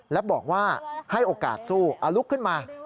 และบอกว่าให้โอกาสสู้เอาลุกขึ้นมา